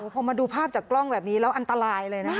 พอมาดูภาพจากกล้องแบบนี้แล้วอันตรายเลยนะคะ